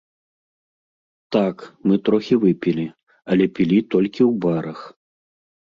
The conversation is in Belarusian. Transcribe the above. Так, мы трохі выпілі, але пілі толькі ў барах.